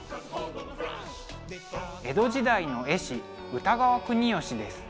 江戸時代の絵師歌川国芳です。